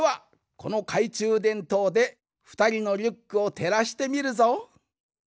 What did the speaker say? このかいちゅうでんとうでふたりのリュックをてらしてみるぞ。